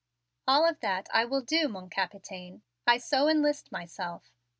"All of that I will do, mon Capitaine. I so enlist myself."